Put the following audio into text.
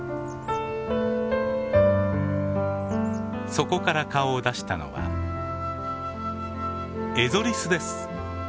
そこから顔を出したのはエゾリスです！